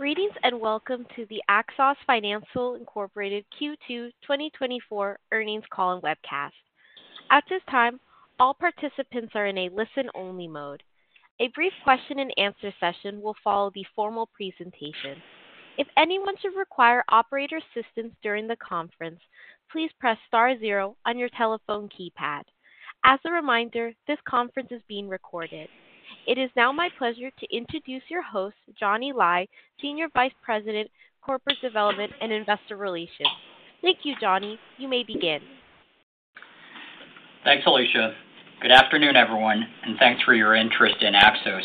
Greetings, and welcome to the Axos Financial, Inc. Q2 2024 earnings call and webcast. At this time, all participants are in a listen-only mode. A brief question and answer session will follow the formal presentation. If anyone should require operator assistance during the conference, please press star zero on your telephone keypad. As a reminder, this conference is being recorded. It is now my pleasure to introduce your host, Johnny Lai, Senior Vice President, Corporate Development and Investor Relations. Thank you, Johnny. You may begin. Thanks, Alicia. Good afternoon, everyone, and thanks for your interest in Axos.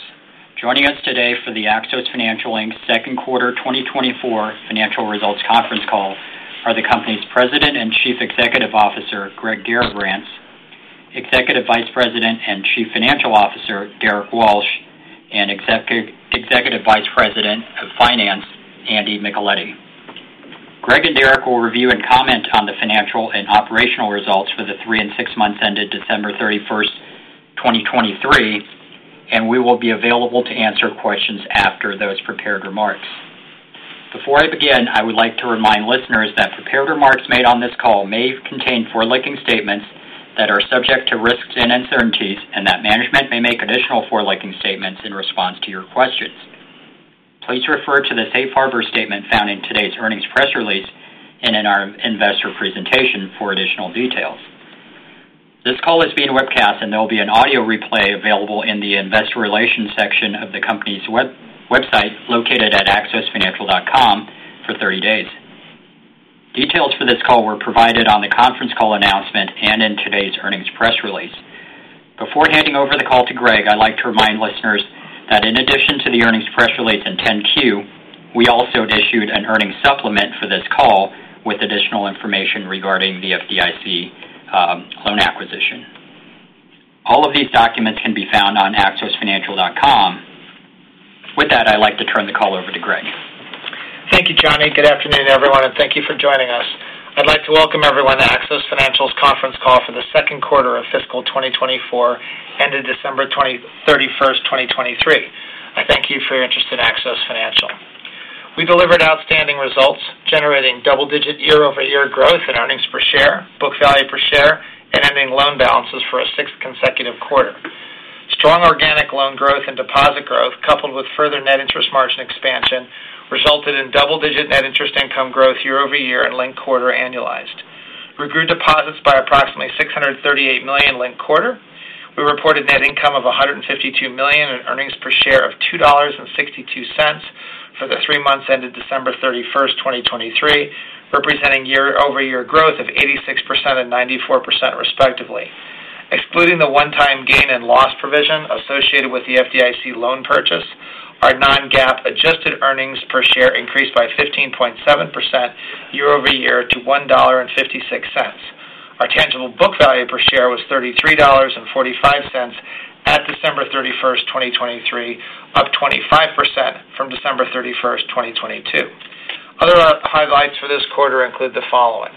Joining us today for the Axos Financial, Inc. second quarter 2024 financial results conference call are the company's President and Chief Executive Officer, Greg Garrabrants; Executive Vice President and Chief Financial Officer, Derrick Walsh; and Executive Vice President of Finance, Andy Micheletti. Greg and Derrick will review and comment on the financial and operational results for the three and six months ended December 31, 2023, and we will be available to answer questions after those prepared remarks. Before I begin, I would like to remind listeners that prepared remarks made on this call may contain forward-looking statements that are subject to risks and uncertainties and that management may make additional forward-looking statements in response to your questions. Please refer to the safe harbor statement found in today's earnings press release and in our investor presentation for additional details. This call is being webcast, and there will be an audio replay available in the investor relations section of the company's website, located at axosfinancial.com, for thirty days. Details for this call were provided on the conference call announcement and in today's earnings press release. Before handing over the call to Greg, I'd like to remind listeners that in addition to the earnings press release and 10-Q, we also issued an earnings supplement for this call with additional information regarding the FDIC, loan acquisition. All of these documents can be found on axosfinancial.com. With that, I'd like to turn the call over to Greg. Thank you, Johnny. Good afternoon, everyone, and thank you for joining us. I'd like to welcome everyone to Axos Financial's conference call for the second quarter of fiscal 2024, ending December 31, 2023. I thank you for your interest in Axos Financial. We delivered outstanding results, generating double-digit year-over-year growth in earnings per share, book value per share, and ending loan balances for a sixth consecutive quarter. Strong organic loan growth and deposit growth, coupled with further net interest margin expansion, resulted in double-digit net interest income growth year-over-year and linked-quarter annualized. We grew deposits by approximately $638 million linked quarter. We reported net income of $152 million and earnings per share of $2.62 for the three months ended December 31, 2023, representing year-over-year growth of 86% and 94%, respectively. Excluding the one-time gain and loss provision associated with the FDIC loan purchase, our non-GAAP adjusted earnings per share increased by 15.7% year-over-year to $1.56. Our tangible book value per share was $33.45 at December 31, 2023, up 25% from December 31, 2022. Other highlights for this quarter include the following: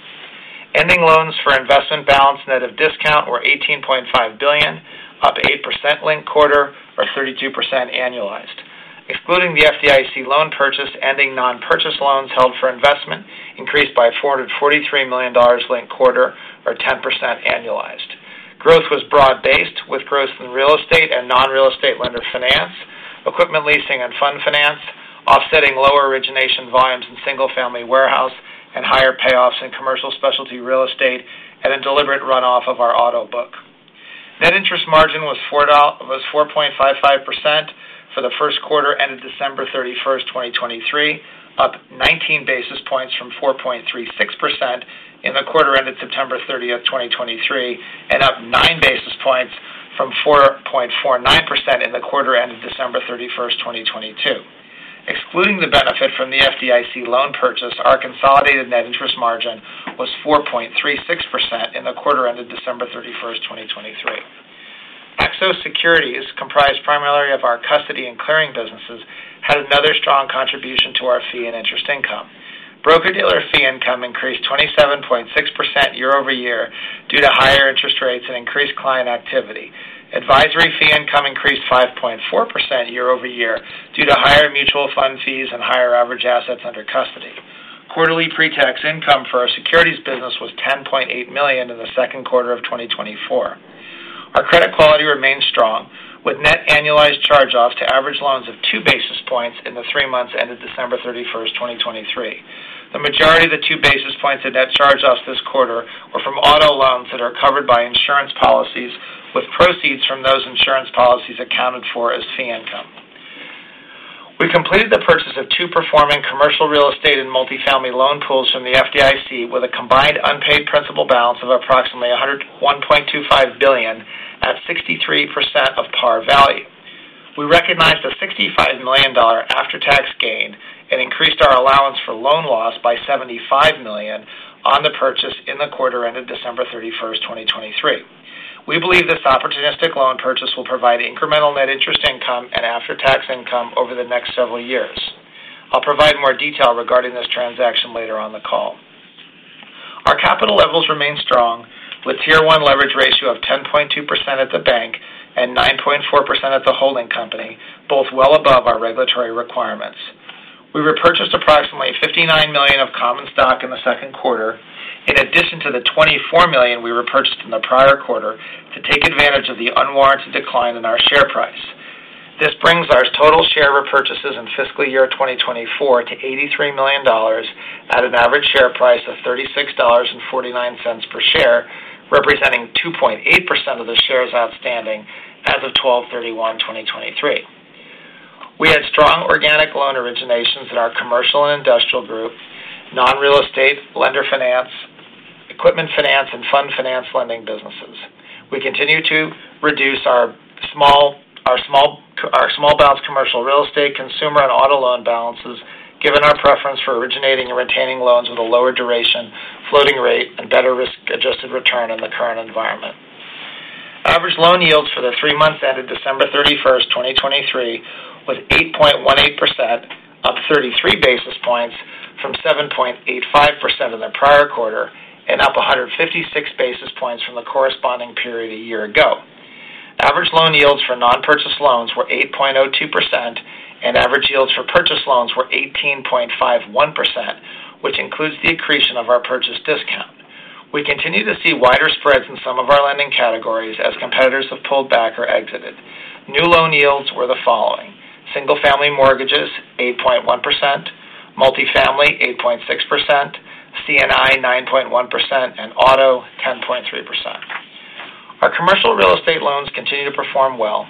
ending loans for investment balance net of discount were $18.5 billion, up 8% linked quarter or 32% annualized. Excluding the FDIC loan purchase, ending non-purchase loans held for investment increased by $443 million linked quarter or 10% annualized. Growth was broad-based, with growth in real estate and non-real estate lender finance, equipment leasing and fund finance, offsetting lower origination volumes in single-family warehouse and higher payoffs in commercial specialty real estate and a deliberate runoff of our auto book. Net interest margin was 4.55% for the first quarter, ended December 31, 2023, up 19 basis points from 4.36% in the quarter ended September 30, 2023, and up 9 basis points from 4.49% in the quarter ended December 31, 2022. Excluding the benefit from the FDIC loan purchase, our consolidated net interest margin was 4.36% in the quarter ended December 31, 2023. Axos Securities, comprised primarily of our custody and clearing businesses, had another strong contribution to our fee and interest income. Broker-dealer fee income increased 27.6% year-over-year due to higher interest rates and increased client activity. Advisory fee income increased 5.4% year-over-year due to higher mutual fund fees and higher average assets under custody. Quarterly pre-tax income for our securities business was $10.8 million in the second quarter of 2024. Our credit quality remains strong, with net annualized chargeoffs to average loans of 2 basis points in the three months ended December 31, 2023. The majority of the 2 basis points of net chargeoffs this quarter were from auto loans that are covered by insurance policies, with proceeds from those insurance policies accounted for as fee income. We completed the purchase of two performing commercial real estate and multifamily loan pools from the FDIC with a combined unpaid principal balance of approximately $101.25 billion at 63% of par value. We recognized a $65 million after-tax gain and increased our allowance for loan loss by $75 million on the purchase in the quarter ended December 31, 2023. We believe this opportunistic loan purchase will provide incremental net interest income and after-tax income over the next several years. I'll provide more detail regarding this transaction later on the call.... Capital levels remain strong, with Tier 1 leverage ratio of 10.2% at the bank and 9.4% at the holding company, both well above our regulatory requirements. We repurchased approximately $59 million of common stock in the second quarter, in addition to the $24 million we repurchased in the prior quarter, to take advantage of the unwarranted decline in our share price. This brings our total share repurchases in fiscal year 2024 to $83 million at an average share price of $36.49 per share, representing 2.8% of the shares outstanding as of 12/31/2023. We had strong organic loan originations in our commercial and industrial group, non-real estate, lender finance, equipment finance, and fund finance lending businesses. We continue to reduce our small balance commercial real estate, consumer and auto loan balances, given our preference for originating and retaining loans with a lower duration, floating rate, and better risk-adjusted return in the current environment. Average loan yields for the three months ended December 31, 2023, was 8.18%, up 33 basis points from 7.85% in the prior quarter, and up 156 basis points from the corresponding period a year ago. Average loan yields for non-purchase loans were 8.02%, and average yields for purchase loans were 18.51%, which includes the accretion of our purchase discount. We continue to see wider spreads in some of our lending categories as competitors have pulled back or exited. New loan yields were the following: single-family mortgages, 8.1%; multifamily, 8.6%; C&I, 9.1%; and auto, 10.3%. Our commercial real estate loans continue to perform well.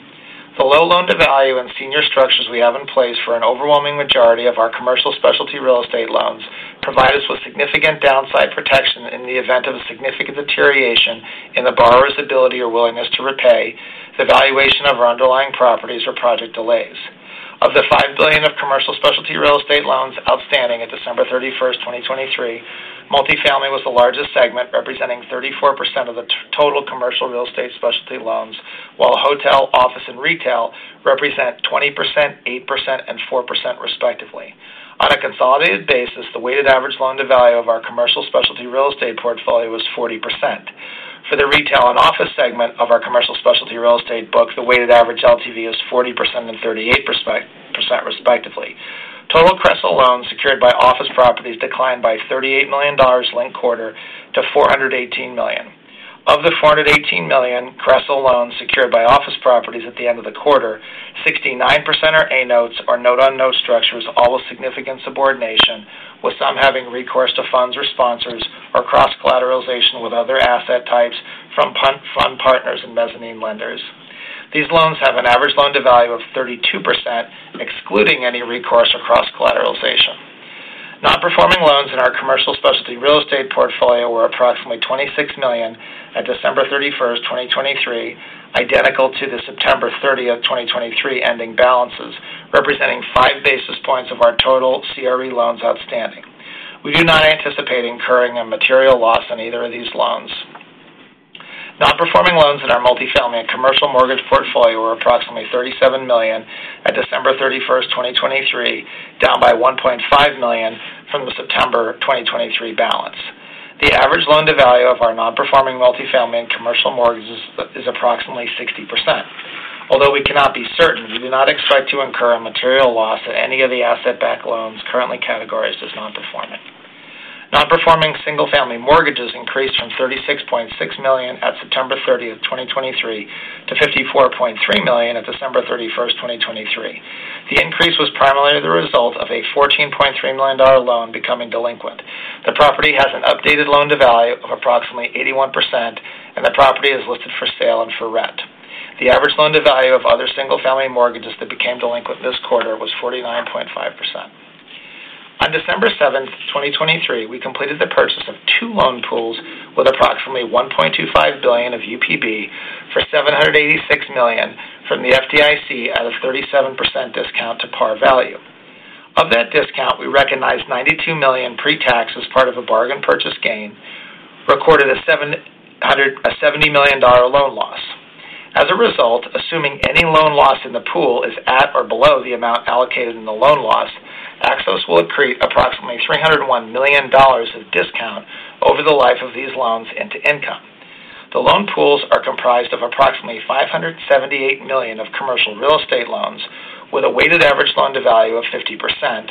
The low loan-to-value and senior structures we have in place for an overwhelming majority of our commercial specialty real estate loans provide us with significant downside protection in the event of a significant deterioration in the borrower's ability or willingness to repay the valuation of our underlying properties or project delays. Of the $5 billion of commercial specialty real estate loans outstanding at December 31, 2023, multifamily was the largest segment, representing 34% of the total commercial real estate specialty loans, while hotel, office, and retail represent 20%, 8%, and 4% respectively. On a consolidated basis, the weighted average loan-to-value of our commercial specialty real estate portfolio was 40%. For the retail and office segment of our commercial specialty real estate book, the weighted average LTV is 40% and 38%, respectively. Total CRESL loans secured by office properties declined by $38 million linked-quarter to $418 million. Of the $418 million CRESL loans secured by office properties at the end of the quarter, 69% are A notes or note-on-note structures, all with significant subordination, with some having recourse to funds or sponsors, or cross-collateralization with other asset types from private fund partners and mezzanine lenders. These loans have an average loan-to-value of 32%, excluding any recourse or cross-collateralization. Non-performing loans in our commercial specialty real estate portfolio were approximately $26 million at December 31, 2023, identical to the September 30, 2023, ending balances, representing five basis points of our total CRE loans outstanding. We do not anticipate incurring a material loss on either of these loans. Non-performing loans in our multifamily and commercial mortgage portfolio were approximately $37 million at December 31, 2023, down by $1.5 million from the September 2023 balance. The average loan-to-value of our non-performing multifamily and commercial mortgages is approximately 60%. Although we cannot be certain, we do not expect to incur a material loss in any of the asset-backed loans currently categorized as non-performing. Non-performing single-family mortgages increased from $36.6 million at September 30, 2023, to $54.3 million at December 31, 2023. The increase was primarily the result of a $14.3 million loan becoming delinquent. The property has an updated loan-to-value of approximately 81%, and the property is listed for sale and for rent. The average loan-to-value of other single-family mortgages that became delinquent this quarter was 49.5%. On December 7, 2023, we completed the purchase of two loan pools with approximately $1.25 billion of UPB for $786 million from the FDIC at a 37% discount to par value. Of that discount, we recognized $92 million pre-tax as part of a bargain purchase gain, recorded a $70 million loan loss. As a result, assuming any loan loss in the pool is at or below the amount allocated in the loan loss, Axos will accrete approximately $301 million of discount over the life of these loans into income. The loan pools are comprised of approximately $578 million of commercial real estate loans, with a weighted average loan-to-value of 50%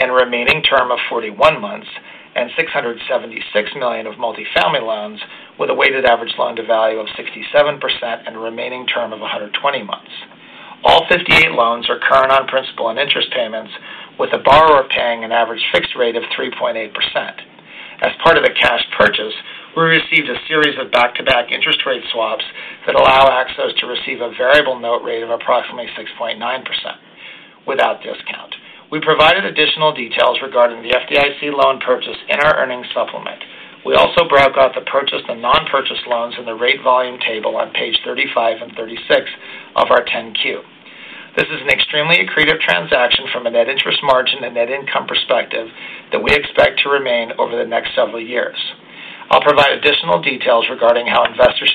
and a remaining term of 41 months, and $676 million of multifamily loans, with a weighted average loan-to-value of 67% and a remaining term of 120 months. All 58 loans are current on principal and interest payments, with the borrower paying an average fixed rate of 3.8%. As part of a cash purchase, we received a series of back-to-back interest rate swaps that allow Axos to receive a variable note rate of approximately 6.9% without discount. We provided additional details regarding the FDIC loan purchase in our earnings supplement. We also broke out the purchase and non-purchase loans in the rate volume table on page 35 and 36 of our 10-Q. This is an extremely accretive transaction from a net interest margin and net income perspective that we expect to remain over the next several years. I'll provide additional details regarding how balances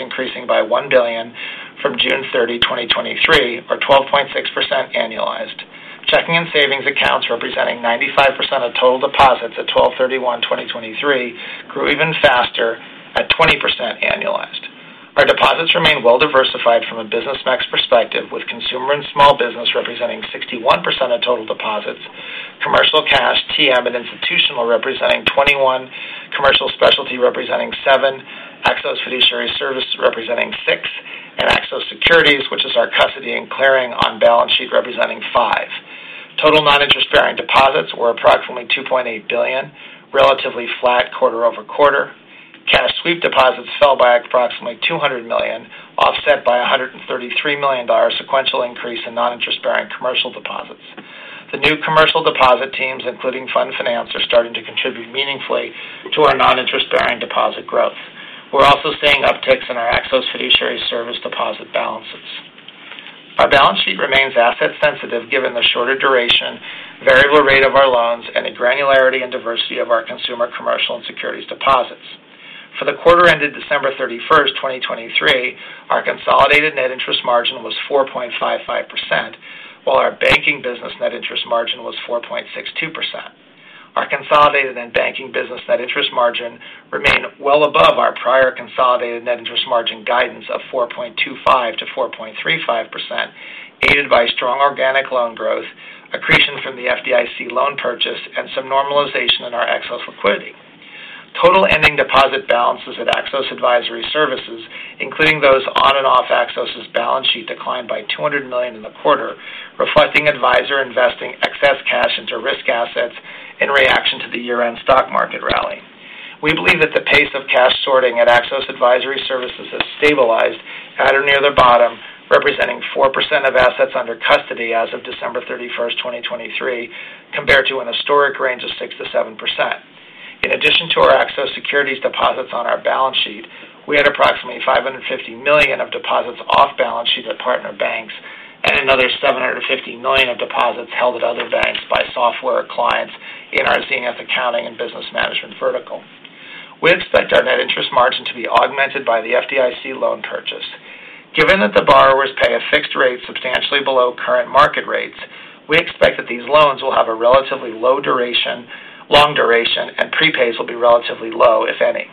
increasing by $1 billion from June 30, 2023, or 12.6% annualized. Checking and savings accounts representing 95% of total deposits at December 31, 2023, grew even faster at 20% annualized. Our deposits remain well diversified from a business mix perspective, with consumer and small business representing 61% of total deposits, commercial cash, TM, and institutional representing 21%, commercial specialty representing 7%, Axos Fiduciary Services representing 6%, and Axos Securities, which is our custody and clearing on balance sheet, representing 5%. Total non-interest bearing deposits were approximately $2.8 billion, relatively flat quarter-over-quarter. Cash sweep deposits fell by approximately $200 million, offset by a $133 million sequential increase in non-interest bearing commercial deposits. The new commercial deposit teams, including fund finance, are starting to contribute meaningfully to our non-interest bearing deposit growth. We're also seeing upticks in our Axos Fiduciary Services deposit balances. Our balance sheet remains asset sensitive, given the shorter duration, variable rate of our loans, and the granularity and diversity of our consumer, commercial, and securities deposits. For the quarter ended December 31, 2023, our consolidated net interest margin was 4.55%, while our banking business net interest margin was 4.62%. Our consolidated and banking business net interest margin remained well above our prior consolidated net interest margin guidance of 4.25%-4.35%, aided by strong organic loan growth, accretion from the FDIC loan purchase, and some normalization in our Axos liquidity. Total ending deposit balances at Axos Advisory Services, including those on and off Axos's balance sheet, declined by $200 million in the quarter, reflecting advisor investing excess cash into risk assets in reaction to the year-end stock market rally. We believe that the pace of cash sorting at Axos Advisory Services has stabilized at or near the bottom, representing 4% of assets under custody as of December 31, 2023, compared to an historic range of 6%-7%. In addition to our Axos Securities deposits on our balance sheet, we had approximately $550 million of deposits off balance sheet at partner banks and another $750 million of deposits held at other banks by software clients in our senior accounting and business management vertical. We expect our net interest margin to be augmented by the FDIC loan purchase. Given that the borrowers pay a fixed rate substantially below current market rates, we expect that these loans will have a relatively low duration, long duration, and prepays will be relatively low, if any.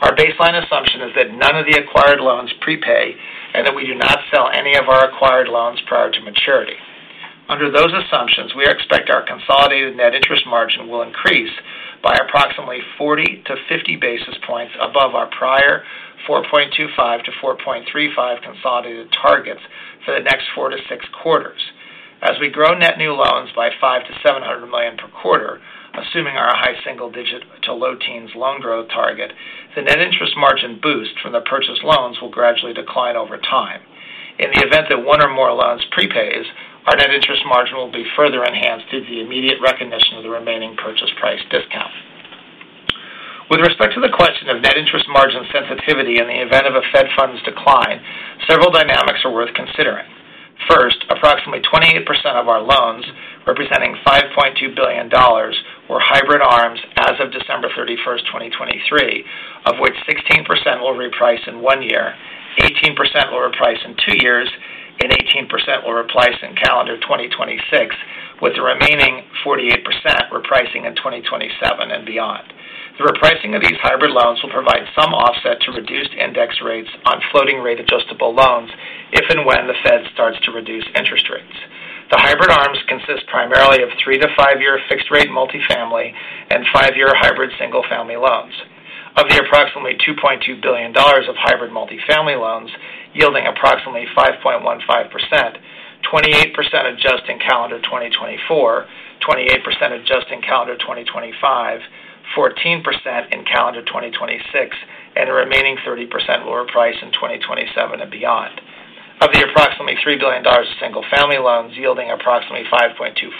Our baseline assumption is that none of the acquired loans prepay and that we do not sell any of our acquired loans prior to maturity. Under those assumptions, we expect our consolidated net interest margin will increase by approximately 40-50 basis points above our prior 4.25-4.35 consolidated targets for the next 4-6 quarters. As we grow net new loans by $500 million-$700 million per quarter, assuming our high single digit to low teens loan growth target, the net interest margin boost from the purchased loans will gradually decline over time. In the event that one or more loans prepays, our net interest margin will be further enhanced due to the immediate recognition of the remaining purchase price discount. With respect to the question of net interest margin sensitivity in the event of a Fed funds decline, several dynamics are worth considering. First, approximately 28% of our loans, representing $5.2 billion, were hybrid ARMs as of December 31, 2023, of which 16% will reprice in 1 year, 18% will reprice in 2 years, and 18% will reprice in calendar 2026, with the remaining 48% repricing in 2027 and beyond. The repricing of these hybrid loans will provide some offset to reduced index rates on floating rate adjustable loans if and when the Fed starts to reduce interest rates. The hybrid ARMs consist primarily of 3- to 5-year fixed-rate multifamily and 5-year hybrid single-family loans. Of the approximately $2.2 billion of hybrid multifamily loans, yielding approximately 5.15%, 28% adjust in calendar 2024, 28% adjust in calendar 2025, 14% in calendar 2026, and the remaining 30% will reprice in 2027 and beyond. Of the approximately $3 billion of single-family loans yielding approximately 5.24%,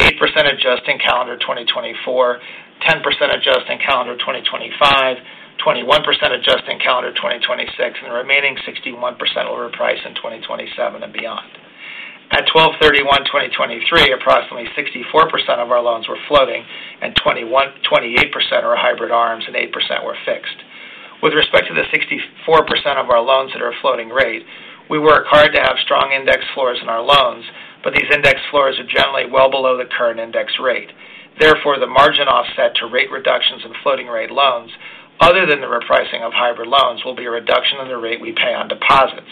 8% adjust in calendar 2024, 10% adjust in calendar 2025, 21% adjust in calendar 2026, and the remaining 61% will reprice in 2027 and beyond. At 12/31/2023, approximately 64% of our loans were floating, and 28% are hybrid ARMs, and 8% were fixed. With respect to the 64% of our loans that are floating rate, we work hard to have strong index floors in our loans, but these index floors are generally well below the current index rate. Therefore, the margin offset to rate reductions in floating rate loans, other than the repricing of hybrid loans, will be a reduction in the rate we pay on deposits.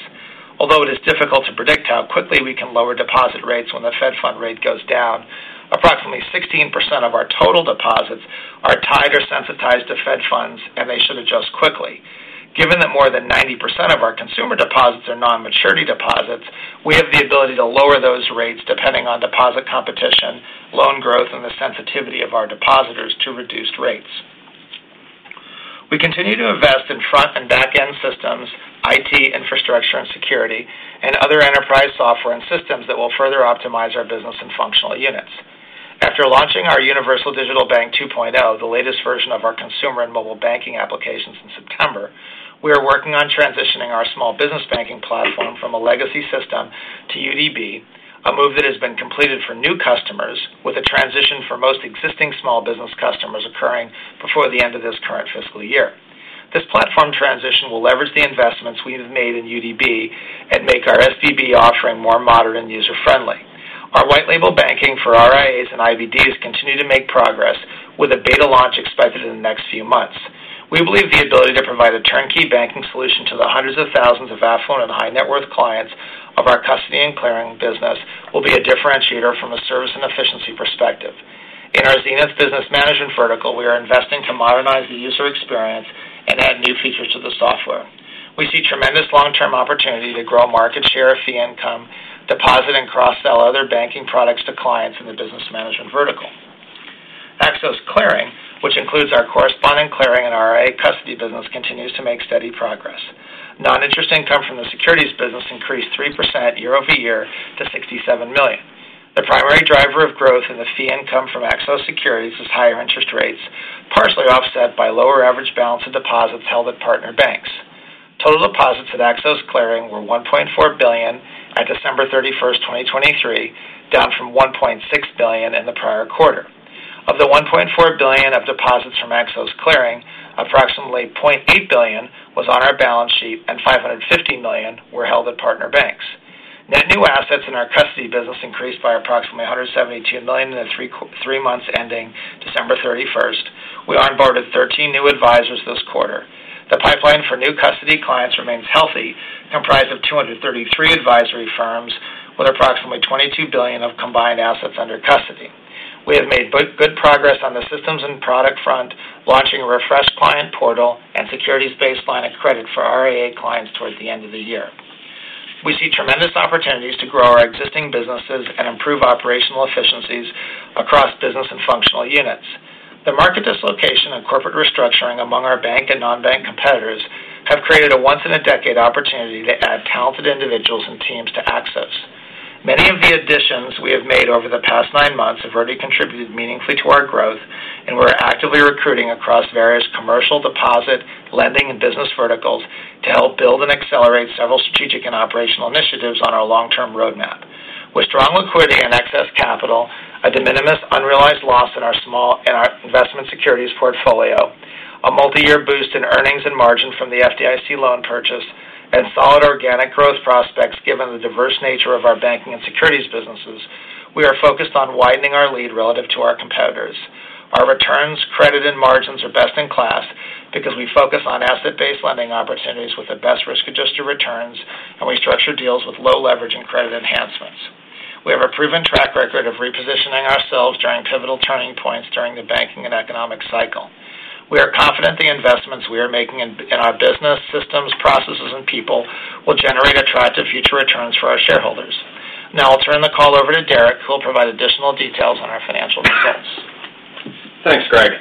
Although it is difficult to predict how quickly we can lower deposit rates when the Fed funds rate goes down, approximately 16% of our total deposits are tied or sensitized to Fed funds, and they should adjust quickly. Given that more than 90% of our consumer deposits are non-maturity deposits, we have the ability to lower those rates depending on deposit competition, loan growth, and the sensitivity of our depositors to reduced rates. We continue to invest in front and back-end systems, IT, infrastructure and security, and other enterprise software and systems that will further optimize our business and functional units. After launching our Universal Digital Bank 2.0, the latest version of our consumer and mobile banking applications in September, we are working on transitioning our small business banking platform from a legacy system to UDB. A move that has been completed for new customers, with a transition for most existing small business customers occurring before the end of this current fiscal year. This platform transition will leverage the investments we have made in UDB and make our SBB offering more modern and user-friendly. Our white label banking for RIAs and IBDs continue to make progress, with a beta launch expected in the next few months. We believe the ability to provide a turnkey banking solution to the hundreds of thousands of affluent and high-net-worth clients of our custody and clearing business will be a differentiator from a service and efficiency perspective. In our Zenith business management vertical, we are investing to modernize the user experience and add new features to the software. We see tremendous long-term opportunity to grow market share, fee income, deposit, and cross-sell other banking products to clients in the business management vertical. Axos Clearing, which includes our correspondent clearing and RIA custody business, continues to make steady progress. Non-interest income from the securities business increased 3% year-over-year to $67 million. The primary driver of growth in the fee income from Axos Securities is higher interest rates, partially offset by lower average balance of deposits held at partner banks. Total deposits at Axos Clearing were $1.4 billion at December 31, 2023, down from $1.6 billion in the prior quarter. Of the $1.4 billion of deposits from Axos Clearing, approximately $0.8 billion was on our balance sheet, and $550 million were held at partner banks. Net new assets in our custody business increased by approximately $172 million in the three months ending December 31. We onboarded 13 new advisors this quarter. The pipeline for new custody clients remains healthy, comprised of 233 advisory firms with approximately $22 billion of combined assets under custody. We have made good progress on the systems and product front, launching a refreshed client portal and securities-based line of credit for RIA clients towards the end of the year. We see tremendous opportunities to grow our existing businesses and improve operational efficiencies across business and functional units. The market dislocation and corporate restructuring among our bank and non-bank competitors have created a once-in-a-decade opportunity to add talented individuals and teams to Axos. Many of the additions we have made over the past nine months have already contributed meaningfully to our growth, and we're actively recruiting across various commercial deposit, lending, and business verticals to help build and accelerate several strategic and operational initiatives on our long-term roadmap. With strong liquidity and excess capital, a de minimis unrealized loss in our investment securities portfolio, a multiyear boost in earnings and margin from the FDIC loan purchase, and solid organic growth prospects, given the diverse nature of our banking and securities businesses, we are focused on widening our lead relative to our competitors. Our returns, credit, and margins are best-in-class because we focus on asset-based lending opportunities with the best risk-adjusted returns, and we structure deals with low leverage and credit enhancements. We have a proven track record of repositioning ourselves during pivotal turning points during the banking and economic cycle. We are confident the investments we are making in our business systems, processes, and people will generate attractive future returns for our shareholders. Now I'll turn the call over to Derrick, who will provide additional details on our financial results. Thanks, Greg.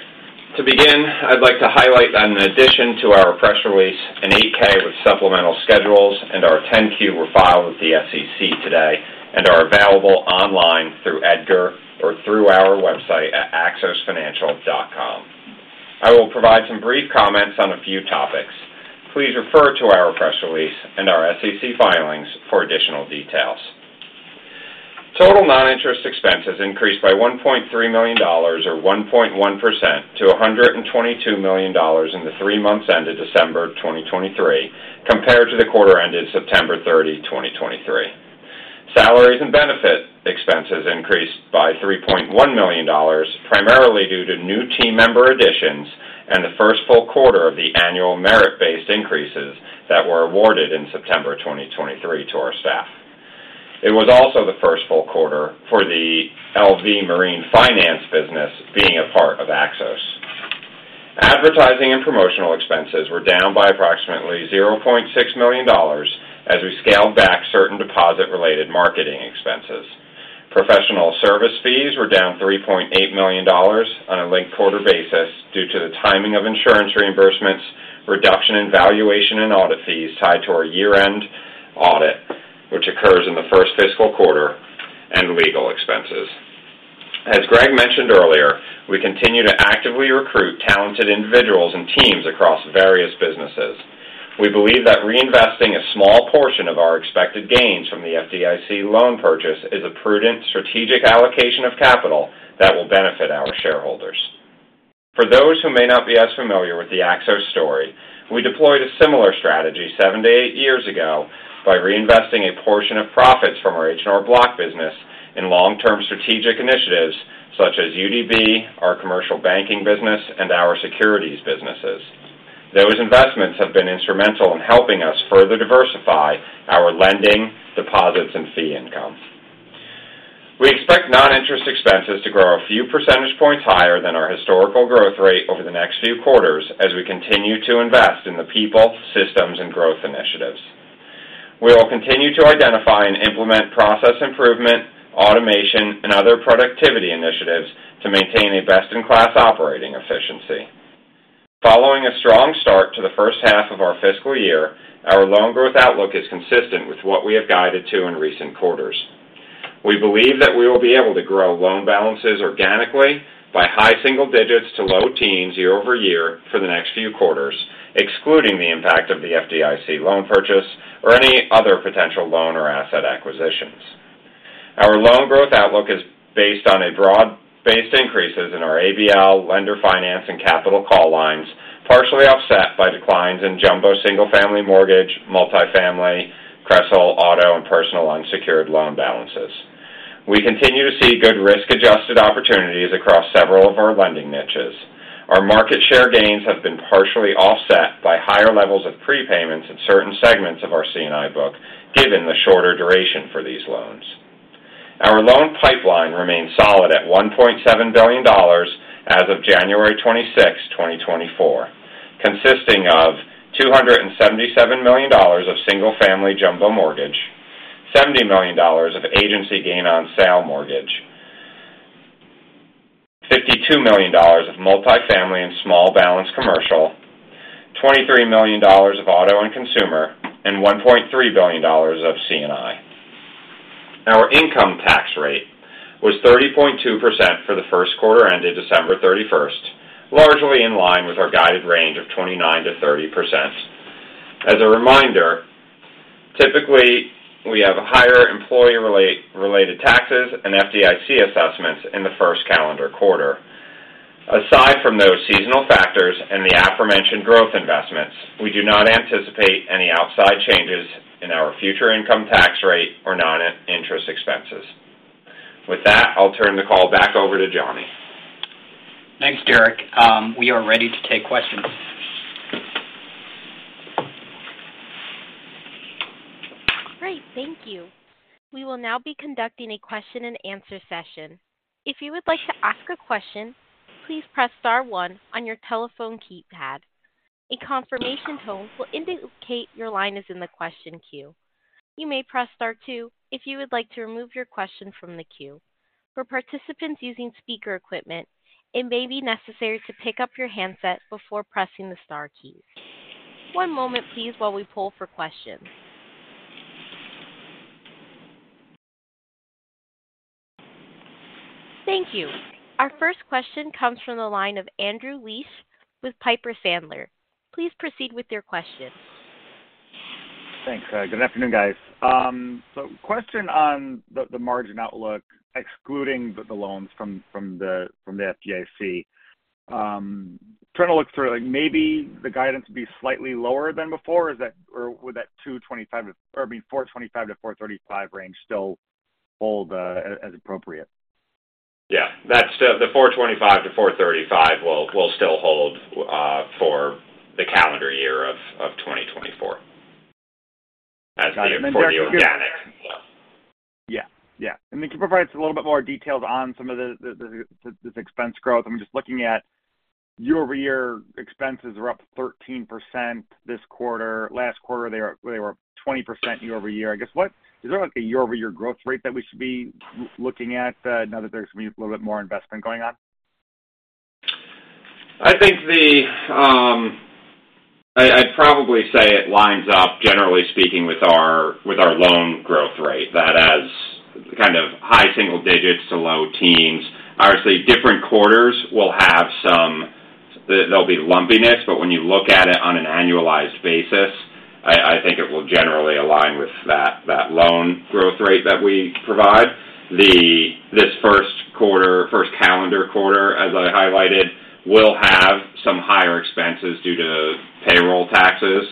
To begin, I'd like to highlight that in addition to our press release, an 8-K with supplemental schedules and our 10-Q were filed with the SEC today and are available online through EDGAR or through our website at axosfinancial.com. I will provide some brief comments on a few topics. Please refer to our press release and our SEC filings for additional details. Total non-interest expenses increased by $1.3 million, or 1.1%, to $122 million in the three months ended December 2023, compared to the quarter ended September 30, 2023. Salaries and benefit expenses increased by $3.1 million, primarily due to new team member additions and the first full quarter of the annual merit-based increases that were awarded in September 2023 to our staff. It was also the first full quarter for the RV Marine Finance business being a part of Axos. Advertising and promotional expenses were down by approximately $0.6 million as we scaled back certain deposit-related marketing expenses. Professional service fees were down $3.8 million on a linked-quarter basis due to the timing of insurance reimbursements, reduction in valuation and audit fees tied to our year-end audit, which occurs in the first fiscal quarter, and legal expenses. As Greg mentioned earlier, we continue to actively recruit talented individuals and teams across various businesses. We believe that reinvesting a small portion of our expected gains from the FDIC loan purchase is a prudent strategic allocation of capital that will benefit our shareholders. For those who may not be as familiar with the Axos story, we deployed a similar strategy seven to eight years ago by reinvesting a portion of profits from our H&R Block business in long-term strategic initiatives such as UDB, our commercial banking business, and our securities businesses. Those investments have been instrumental in helping us further diversify our lending, deposits, and fee income. We expect non-interest expenses to grow a few percentage points higher than our historical growth rate over the next few quarters as we continue to invest in the people, systems, and growth initiatives. We will continue to identify and implement process improvement, automation, and other productivity initiatives to maintain a best-in-class operating efficiency. Following a strong start to the first half of our fiscal year, our loan growth outlook is consistent with what we have guided to in recent quarters. We believe that we will be able to grow loan balances organically by high single digits to low teens year-over-year for the next few quarters, excluding the impact of the FDIC loan purchase or any other potential loan or asset acquisitions. Our loan growth outlook is based on a broad-based increases in our ABL, lender finance, and capital call lines, partially offset by declines in jumbo single-family mortgage, multifamily, CRESL, auto, and personal unsecured loan balances. We continue to see good risk-adjusted opportunities across several of our lending niches. Our market share gains have been partially offset by higher levels of prepayments in certain segments of our C&I book, given the shorter duration for these loans. Our loan pipeline remains solid at $1.7 billion as of January 26th, 2024, consisting of $277 million of single-family jumbo mortgage, $70 million of agency gain on sale mortgage, $52 million of multifamily and small balance commercial, $23 million of auto and consumer, and $1.3 billion of C&I. Our income tax rate was 30.2% for the first quarter ended December 31st, largely in line with our guided range of 29%-30%. As a reminder, typically, we have higher employee-related taxes and FDIC assessments in the first calendar quarter. Aside from those seasonal factors and the aforementioned growth investments, we do not anticipate any outside changes in our future income tax rate or non-interest expenses. With that, I'll turn the call back over to Johnny. Thanks, Derrick. We are ready to take questions. Great. Thank you. We will now be conducting a question and answer session. If you would like to ask a question, please press star one on your telephone keypad. A confirmation tone will indicate your line is in the question queue. You may press star two if you would like to remove your question from the queue. For participants using speaker equipment, it may be necessary to pick up your handset before pressing the star keys. One moment, please, while we pull for questions. Thank you. Our first question comes from the line of Andrew Liesch with Piper Sandler. Please proceed with your question. Thanks. Good afternoon, guys. So question on the margin outlook, excluding the loans from the FDIC. Trying to look through, like maybe the guidance would be slightly lower than before, is that or would that 225 or, I mean, 425-435 range still hold as appropriate? Yeah, that's the 425-435 will still hold for the calendar year of 2024 as the organic. Yeah. Yeah. And then can you provide a little bit more details on some of the this expense growth? I'm just looking at year-over-year expenses are up 13% this quarter. Last quarter, they were up 20% year over year. I guess, what is there like a year-over-year growth rate that we should be looking at now that there's going to be a little bit more investment going on? I think the, I'd probably say it lines up, generally speaking, with our, with our loan growth rate, that as kind of high single digits to low teens. Obviously, different quarters will have some, there'll be lumpiness, but when you look at it on an annualized basis, I, I think it will generally align with that, that loan growth rate that we provide. The, this first quarter, first calendar quarter, as I highlighted, will have some higher expenses due to payroll taxes.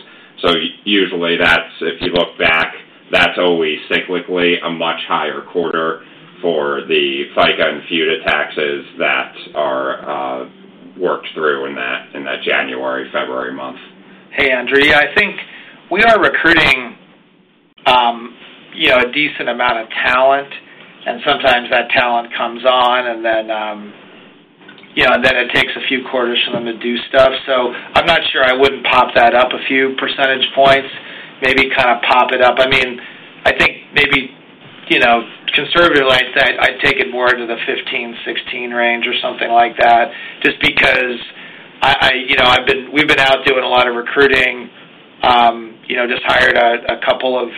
So usually, that's if you look back, that's always cyclically a much higher quarter for the FICA and FUTA taxes that are worked through in that, in that January, February month. Hey, Andrew. Yeah, I think we are recruiting, you know, a decent amount of talent, and sometimes that talent comes on, and then, you know, and then it takes a few quarters for them to do stuff. So I'm not sure I wouldn't pop that up a few percentage points, maybe kind of pop it up. I mean, I think maybe, you know, conservatively, I'd say, I'd take it more to the 15-16 range or something like that, just because I, you know, I've been, we've been out doing a lot of recruiting. You know, just hired a couple of,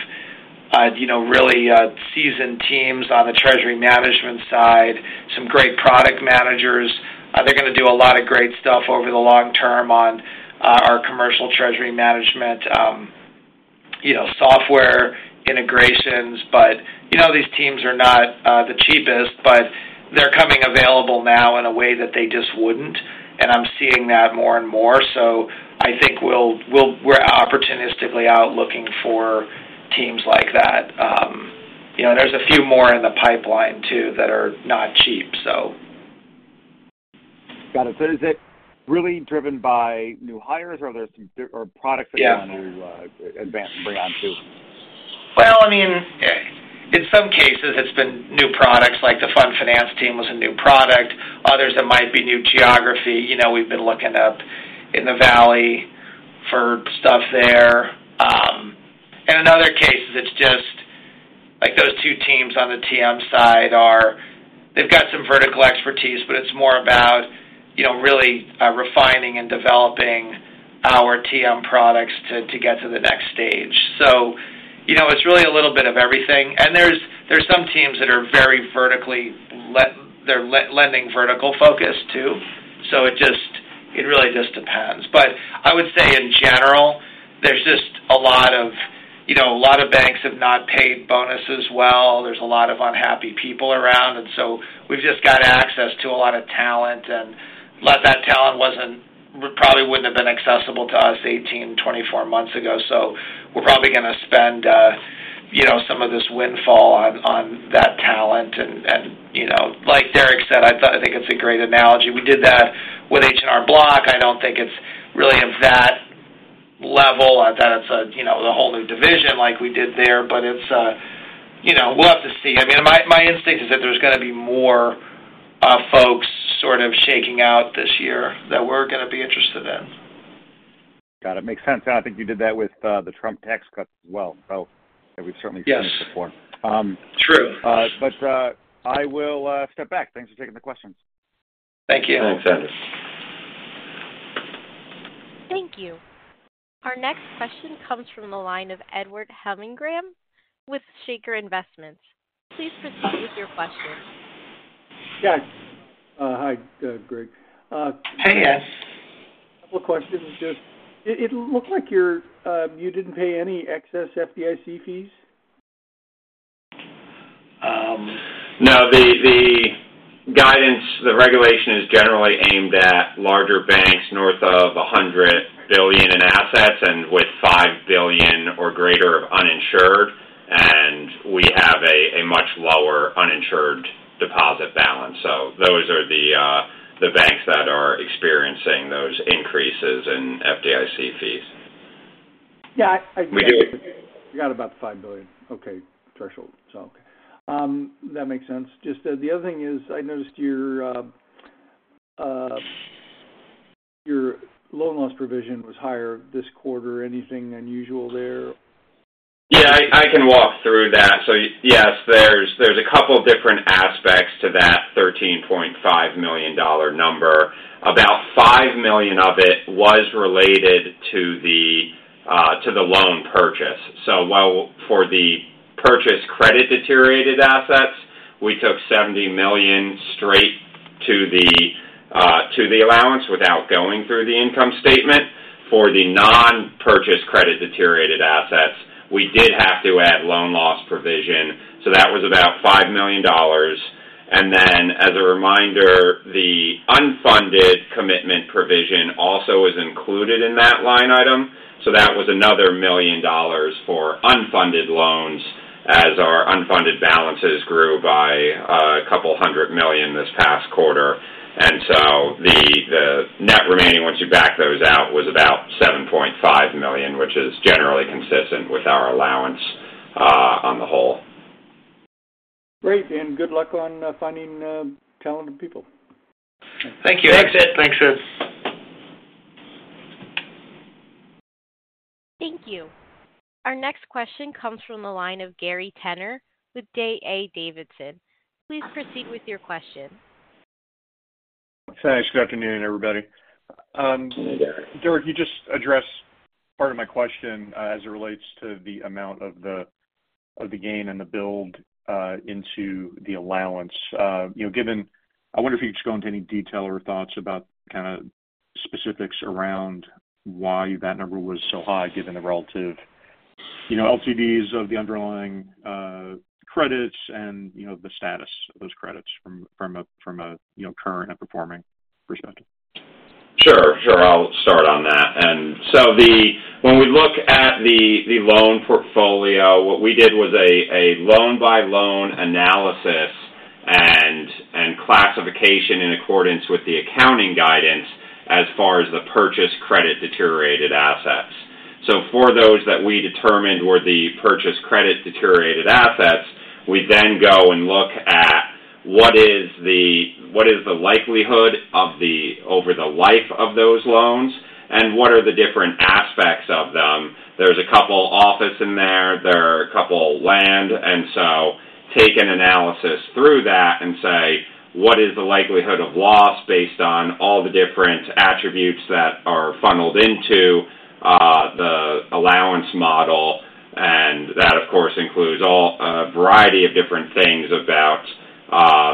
you know, really seasoned teams on the treasury management side, some great product managers. They're going to do a lot of great stuff over the long term on our commercial treasury management, you know, software integrations. But, you know, these teams are not the cheapest, but they're coming available now in a way that they just wouldn't, and I'm seeing that more and more. So I think we're opportunistically out looking for teams like that. You know, there's a few more in the pipeline, too, that are not cheap, so. Got it. So is it really driven by new hires, or are there some, or products- Yeah. That you want to advance and bring on, too? Well, I mean, in some cases, it's been new products, like the fund finance team was a new product. Others, it might be new geography. You know, we've been looking up in the Valley for stuff there. And in other cases, it's just like those two teams on the TM side are, they've got some vertical expertise, but it's more about, you know, really refining and developing our TM products to get to the next stage. You know, it's really a little bit of everything. And there's some teams that are very vertically lending vertical focus, too. So it just, it really just depends. But I would say in general, there's just a lot of, you know, a lot of banks have not paid bonuses well. There's a lot of unhappy people around, and so we've just got access to a lot of talent, and a lot of that talent wasn't, probably wouldn't have been accessible to us 18, 24 months ago. So we're probably going to spend, you know, some of this windfall on that talent. And, you know, like Derrick said, I thought, I think it's a great analogy. We did that with H&R Block. I don't think it's really of that level, that it's a, you know, a whole new division like we did there, but it's... You know, we'll have to see. I mean, my instinct is that there's going to be more folks sort of shaking out this year that we're going to be interested in. Got it. Makes sense. And I think you did that with the Trump tax cut as well. So that we've certainly seen it before. Yes. True. I will step back. Thanks for taking the questions. Thank you. Thanks, Sandler. Thank you. Our next question comes from the line of Edward Hemmelgarn with Shaker Investments. Please proceed with your question. Yeah. Hi, Greg. Hey, yes. Couple of questions. Just, it looks like you didn't pay any excess FDIC fees? No, the guidance, the regulation is generally aimed at larger banks north of $100 billion in assets and with $5 billion or greater uninsured, and we have a much lower uninsured deposit balance. So those are the banks that are experiencing those increases in FDIC fees. Yeah, I- We do. You got about $5 billion. Okay, threshold. So, that makes sense. Just, the other thing is, I noticed your loan loss provision was higher this quarter. Anything unusual there? Yeah, I can walk through that. So yes, there's a couple different aspects to that $13.5 million number. About $5 million of it was related to the loan purchase. So while for the Purchased Credit Deteriorated assets, we took $70 million straight to the allowance without going through the income statement. For the non-Purchased Credit Deteriorated assets, we did have to add loan loss provision, so that was about $5 million. And then, as a reminder, the unfunded commitment provision also is included in that line item. So that was another $1 million for unfunded loans, as our unfunded balances grew by 200 million this past quarter. And so the net remaining, once you back those out, was about $7.5 million, which is generally consistent with our allowance on the whole. Great, and good luck on finding talented people. Thank you. Thanks. Thanks, sir. Thank you. Our next question comes from the line of Gary Tenner with D.A. Davidson. Please proceed with your question. Thanks. Good afternoon, everybody. Hey, Gary. Derrick, you just addressed part of my question, as it relates to the amount of the gain and the build into the allowance. You know, given, I wonder if you could just go into any detail or thoughts about kind of specifics around why that number was so high, given the relative, you know, LTVs of the underlying credits and, you know, the status of those credits from a current and performing perspective. Sure, sure. I'll start on that. And so when we look at the, the loan portfolio, what we did was a, a loan-by-loan analysis and, and classification in accordance with the accounting guidance as far as the Purchased Credit Deteriorated assets. So for those that we determined were the Purchased Credit Deteriorated assets, we then go and look at what is the, what is the likelihood of the... over the life of those loans, and what are the different aspects of them. There's a couple office in there, there are a couple land. And so take an analysis through that and say: What is the likelihood of loss based on all the different attributes that are funneled into the allowance model? That, of course, includes all, a variety of different things about,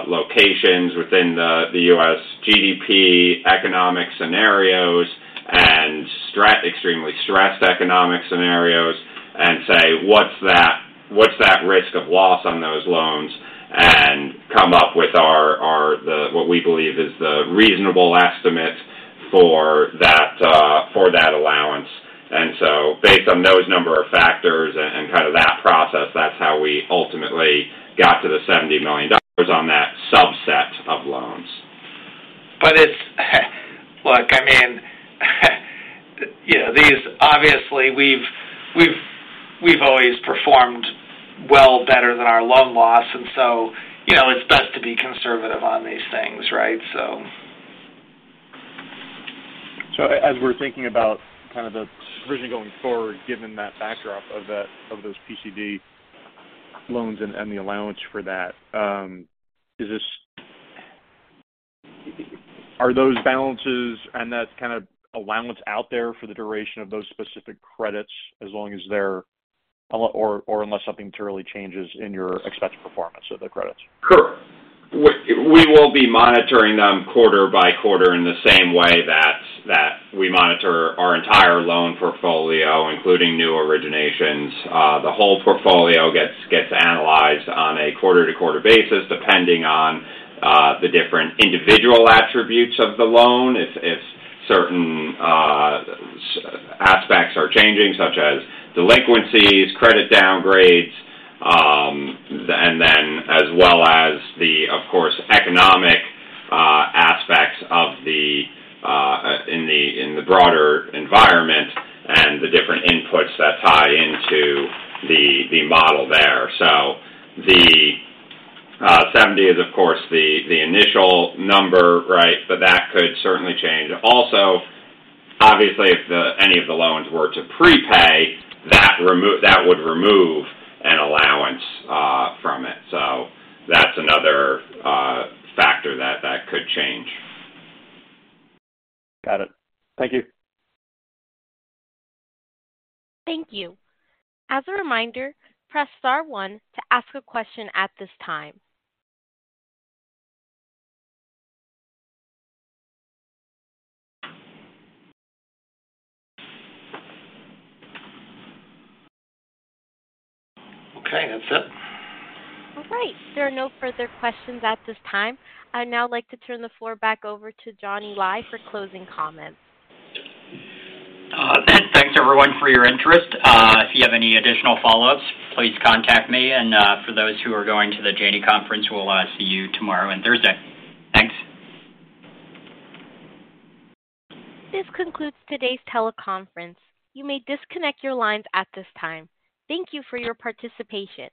locations within the, the U.S. GDP, economic scenarios, and extremely stressed economic scenarios, and say, what's that, what's that risk of loss on those loans, and come up with our, the, what we believe is the reasonable estimate for that, for that allowance. So based on those number of factors and, kind of that process, that's how we ultimately got to the $70 million on that subset of loans. But it's, look, I mean, you know, these obviously, we've always performed well better than our loan loss, and so, you know, it's best to be conservative on these things, right? So... So as we're thinking about kind of the provision going forward, given that backdrop of that, of those PCD loans and, and the allowance for that, are those balances and that kind of allowance out there for the duration of those specific credits, as long as they're, or, or unless something materially changes in your expected performance of the credits? Correct. We will be monitoring them quarter by quarter in the same way that we monitor our entire loan portfolio, including new originations. The whole portfolio gets analyzed on a quarter-to-quarter basis, depending on the different individual attributes of the loan. If certain aspects are changing, such as delinquencies, credit downgrades, and then as well as, of course, the economic aspects in the broader environment and the different inputs that tie into the model there. So the 70 is, of course, the initial number, right? But that could certainly change. Also, obviously, if any of the loans were to prepay, that would remove an allowance from it. So that's another factor that could change. Got it. Thank you. Thank you. As a reminder, press star one to ask a question at this time. Okay, that's it. All right. There are no further questions at this time. I'd now like to turn the floor back over to Johnny Lai for closing comments. Thanks. Thanks, everyone, for your interest. If you have any additional follow-ups, please contact me. For those who are going to the Janney Conference, we'll see you tomorrow and Thursday. Thanks. This concludes today's teleconference. You may disconnect your lines at this time. Thank you for your participation.